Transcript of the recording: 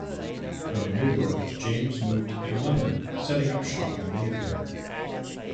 From New York James moved to London, setting up shop in Mayfair.